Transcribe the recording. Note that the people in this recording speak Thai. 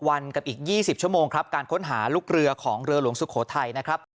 ไม่อยากมีการสูญเสียเนอะ